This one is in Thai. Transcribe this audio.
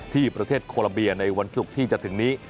ที่ประเทศโคลัมเบียในวันศุกร์ที่จะถึงนี้